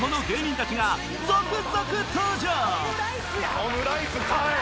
オムライスかい！